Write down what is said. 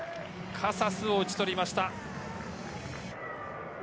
カサスを打ち取りました。